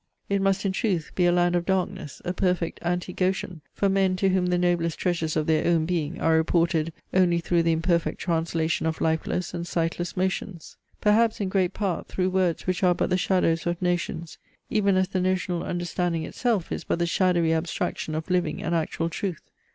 It must in truth be a land of darkness, a perfect Anti Goshen, for men to whom the noblest treasures of their own being are reported only through the imperfect translation of lifeless and sightless motions. Perhaps, in great part, through words which are but the shadows of notions; even as the notional understanding itself is but the shadowy abstraction of living and actual truth.